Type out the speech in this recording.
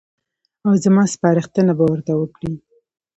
او زما سپارښتنه به ورته وکړي.